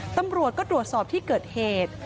ตำรวจก็ตรวจสอบที่เกิดเหตุ